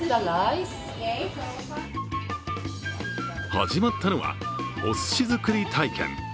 始まったのは、おすし作り体験。